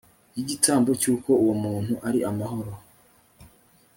y igitambo cy uko uwo muntu ari amahoro